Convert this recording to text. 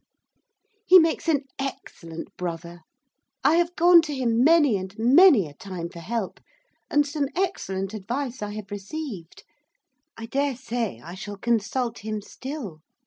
He makes an excellent brother. I have gone to him, many and many a time, for help, and some excellent advice I have received. I daresay I shall consult him still.